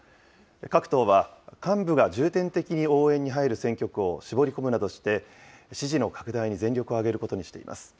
各党は、幹部が重点的に応援に入る選挙区を絞り込むなどして、支持の拡大に全力を挙げることにしています。